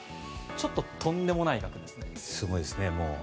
ちょっととんでもない額ですね。